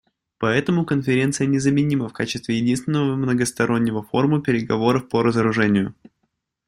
Поэтому Конференция незаменима в качестве единственного многостороннего форума переговоров по разоружению.